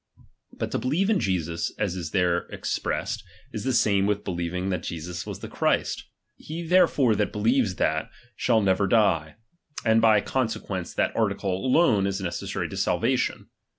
But to believe in Jesus, as is there expressed, is the same with believing that Jesus was the Christ. He therefore that believes that, shall never die ; and by conse quence, that article alone is necessary to salvation.